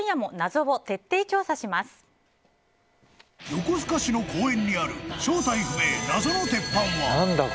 横須賀市の公園にある正体不明、謎の鉄板は。